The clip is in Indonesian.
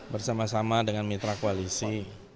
bersama sama dengan mitra koalisi